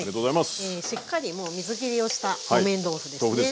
しっかりもう水きりをした木綿豆腐ですね。